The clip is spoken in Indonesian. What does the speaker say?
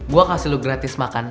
gue kasih lo gratis makan